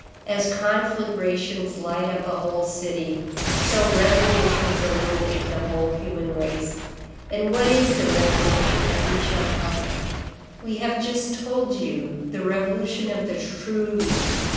As conflagrations light up a whole city, so revolutions illuminate the whole human race. And what is the revolution that we shall cause? I have just told you, the Revolution of the True.